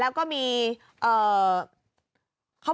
สวัสดีครับ